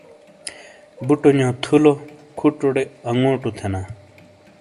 بٹنو تھلو، کھٹوٹے انگوٹو تھینا۔